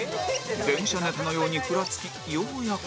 電車ネタのようにフラつきようやく